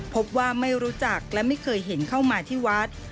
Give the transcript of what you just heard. ไม่รู้จักและไม่เคยเห็นเข้ามาที่วัด